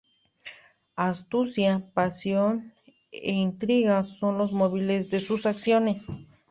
Astucia, pasión e intriga son los móviles de sus acciones.